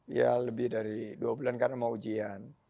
ya lebih dari dua bulan karena mau ujian